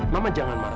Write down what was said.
mama jangan marah